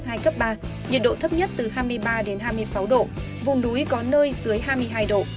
nhiệt độ thấp nhất từ hai mươi ba đến hai mươi sáu độ vùng núi có nơi dưới hai mươi hai độ